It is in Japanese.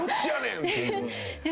っていう。